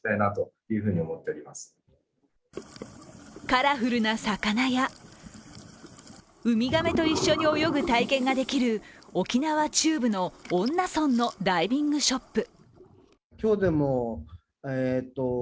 カラフルな魚やウミガメと一緒に泳ぐ体験ができる沖縄中部の恩納村のダイビングショップ。